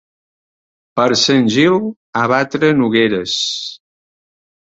Per Sant Gil, a batre nogueres.